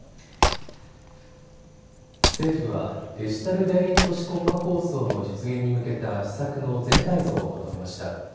政府はデジタル田園都市国家構想の実現に向けた施策の全体像をまとめました。